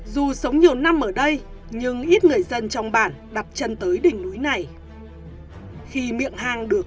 dù sống nhiều năm ở đây nhưng ít người dân trong bản đặt chân tới đỉnh núi này khi miệng hang được